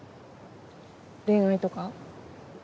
恋愛とか？